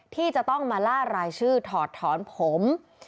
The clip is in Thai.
ที่จะต้องมาล่ารายชื่อถอดถอนผม